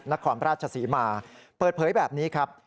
นครราชศรีมาเปิดเผยแบบนี้ครับ